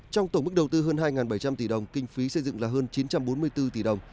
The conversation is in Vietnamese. trong tổng mức đầu tư hơn hai bảy trăm linh tỷ đồng kinh phí xây dựng là hơn chín trăm bốn mươi bốn tỷ đồng